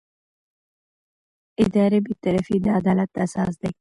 اداري بېطرفي د عدالت اساس دی.